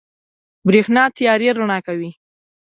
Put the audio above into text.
برېښنا تيارې رڼا کوي.